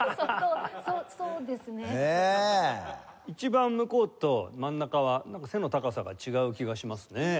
一番向こうと真ん中は背の高さが違う気がしますね。